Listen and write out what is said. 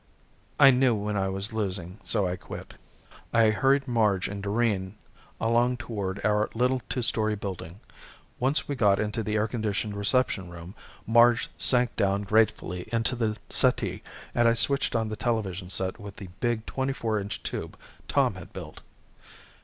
I knew when I was losing, so I quit. I hurried Marge and Doreen along toward our little two story building. Once we got into the air conditioned reception room, Marge sank down gratefully onto the settee and I switched on the television set with the big 24 inch tube Tom had built.